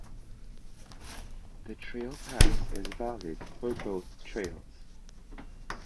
The trail pass is valid for both trails.